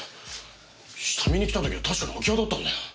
下見に来た時は確かに空き家だったんだよ。